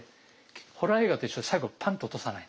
ホラー映画と一緒で最後パンッて落とさないと。